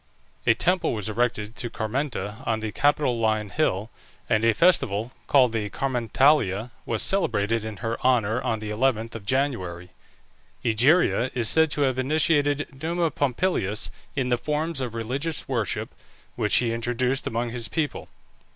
A temple was erected to Carmenta on the Capitoline Hill, and a festival, called the Carmentalia, was celebrated in her honour on the 11th of January. Egeria is said to have initiated Numa Pompilius in the forms of religious worship, which he introduced among his people.